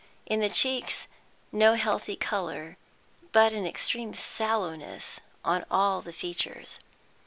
In the cheeks no healthy colour, but an extreme sallowness on all the features.